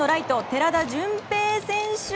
寺田純平選手